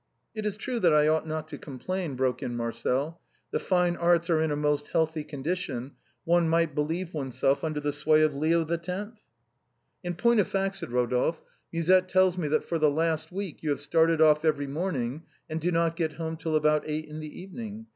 It is true that I ought not to complain," broke in Marcel. " The fine arts are in a most healthy condition, one might believe oneself under the sway of Leo the Tenth." " In point of fact," said Eodolphe, " Musette tells me that for the last week you have started off every morning and do not got home till about eight in the evening.